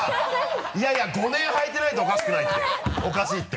いやいや５年履いてないとおかしいって。